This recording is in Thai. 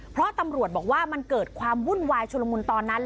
เพราะตำรวจบอกว่ามันเกิดความวุ่นวายชุลมุนตอนนั้น